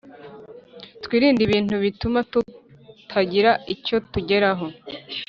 Twirinde ibintu bituma tutagira icyo tugeraho